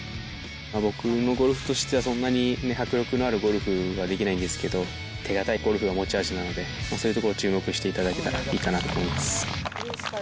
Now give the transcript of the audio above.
僕のゴルフとしてはそんなに迫力のあるゴルフはできないんですけど、手堅いゴルフが持ち味なので、そういうところを注目していただけたらいいかなと思います。